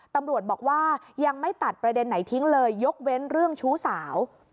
ตำรวจบอกว่ายังไม่ตัดประเด็นไหนทิ้งเลยยกเว้นเรื่องชู้สาว